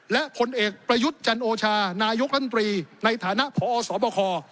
และผลเอกประยุทธ์จันโอชานายกรัฐมนตรีในฐานะพอสบค